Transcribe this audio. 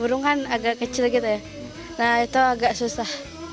burung kan agak kecil gitu ya nah itu agak susah